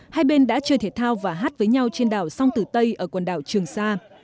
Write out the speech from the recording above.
hai bên đã chơi thể thao và hát với nhau trên đảo song tử tây ở quần đảo trường sa